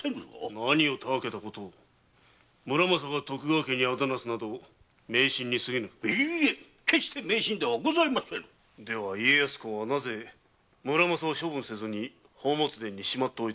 何をタワけたことを村正が徳川に仇なすなど迷信にすぎぬいえ迷信ではございませぬでは家康公がなぜ処分せずに宝物殿にしまっておいたのだ。